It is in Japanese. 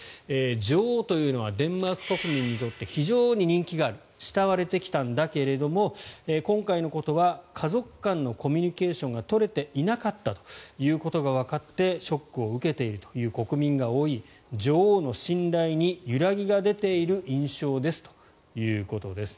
女王というのはデンマーク国民にとって非常に人気がある慕われてきたんだけれども今回のことは家族間のコミュニケーションが取れていなかったということがわかってショックを受けているという国民が多い女王の信頼に揺らぎが出ている印象ですということです。